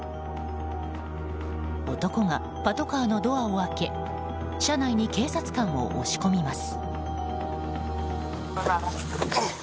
男がパトカーのドアを開け車内に警察官を押し込みます。